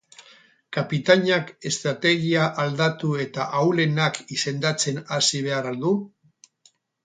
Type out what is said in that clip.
Kapitainak estrategia aldatu eta ahulenak izendatzen hasi behar al du?